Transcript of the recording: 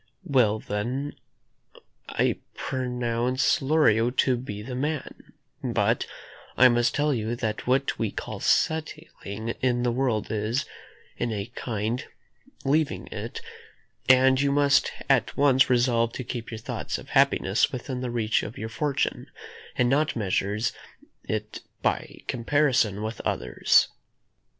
"Well, then, I pronounce Lorio to be the man; but I must tell you that what we call settling in the world is, in a kind, leaving it; and you must at once resolve to keep your thoughts of happiness within the reach of your fortune, and not measure it by comparison with others."